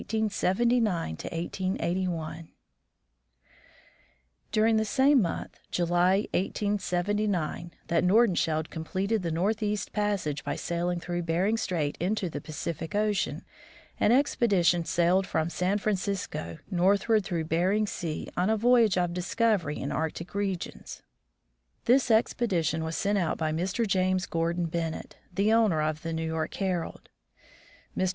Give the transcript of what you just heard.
XII. VOYAGE OF THE JEANNETTE i 879 1 88 i During the same month, July, 1879, that Nordenskjold completed the northeast passage by sailing through Be ring strait into the Pacific ocean, an expedition sailed from San Francisco northward through Bering sea on a voyage of discovery in Arctic regions. This expedition was sent out by Mr. James Gordon Ben nett, the owner of the New York Herald. Mr.